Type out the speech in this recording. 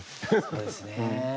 そうですね。